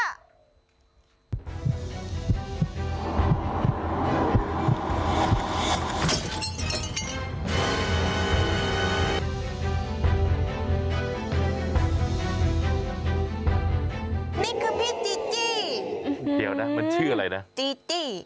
นี่คือพี่จีจี้เดี๋ยวนะมันชื่ออะไรนะจีจี้